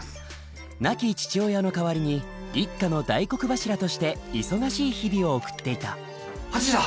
亡き父親の代わりに一家の大黒柱として忙しい日々を送っていた８時だ！